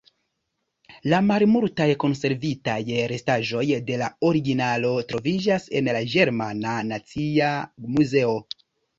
La malmultaj konservitaj restaĵoj de la originalo troviĝas en la Ĝermana Nacia Muzeo.